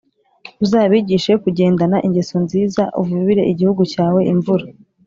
uzabigishe kugendana ingeso nziza uvubire igihugu cyawe imvura,